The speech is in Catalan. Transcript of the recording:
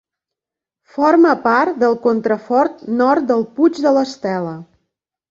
Forma part del contrafort nord del Puig de l'Estela.